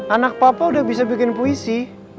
anak papa udah bisa bikin puisi